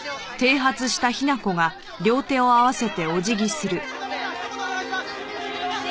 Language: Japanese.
ぜひひと言お願いします！